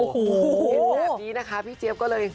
เห็นแบบนี้นะคะพี่เจี๊ยบก็เลย